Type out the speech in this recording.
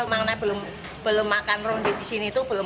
makna belum makan ronde di sini itu belum